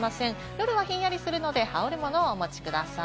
夜はひんやりするので、羽織るものをお持ちください。